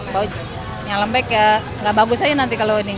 bau nya lembek ya nggak bagus aja nanti kalau ini